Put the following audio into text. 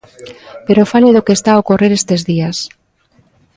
Pero fale do que está a ocorrer estes días.